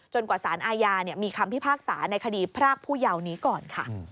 กว่าสารอาญามีคำพิพากษาในคดีพรากผู้เยาว์นี้ก่อนค่ะ